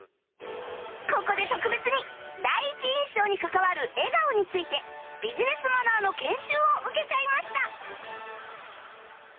ここで特別に第一印象に関わる笑顔についてビジネスマナーの研修を受けちゃいました